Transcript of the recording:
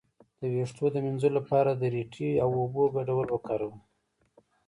د ویښتو د مینځلو لپاره د ریټې او اوبو ګډول وکاروئ